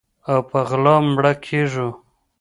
او په غلا مړه کیږو